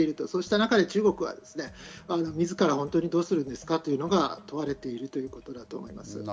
そうした中で中国は、自らどうするのかというのが問われているということだと思います。